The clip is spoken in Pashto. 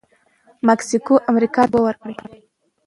مکسیکو امریکا ته اوبه ورکوي.